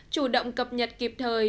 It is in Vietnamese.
chủ động cập nhật kịp thời